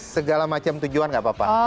segala macam tujuan gak apa apa